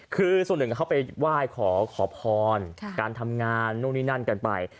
คือส่วนหนึ่งเขาไปไหว้ขอพรการทำงานนู่นนี่นั่นกันไป